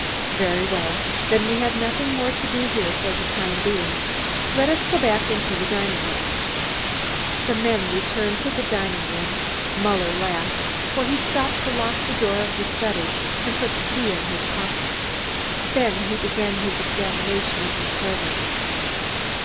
"Very well. Then we have nothing more to do here for the time being. Let us go back into the dining room." The men returned to the dining room, Muller last, for he stopped to lock the door of the study and put the key in his pocket. Then he began his examination of the servants.